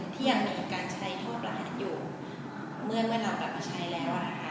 ที่ยังมีการใช้ทอบลหัสอยู่เมื่อเรากำลังไปใช้แล้ว